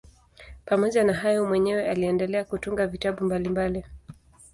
Pamoja na hayo mwenyewe aliendelea kutunga vitabu mbalimbali.